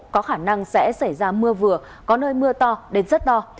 có khả năng sẽ xảy ra mưa vừa có nơi mưa to đến rất to